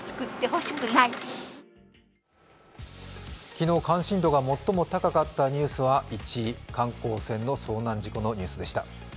昨日、関心度が最も高かったニュースは１位、観光船の遭難事故のニュースでした。